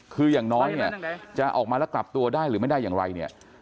คืออย่างน้อยเนี่ยจะออกมาแล้วกลับตัวได้หรือไม่ได้อย่างไรเนี่ย